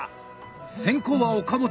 先攻は岡本。